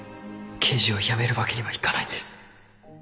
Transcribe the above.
刑事を辞めるわけにはいかないんです